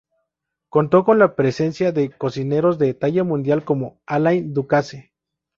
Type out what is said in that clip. Contó con la presencia de cocineros de talla mundial como Alain Ducasse.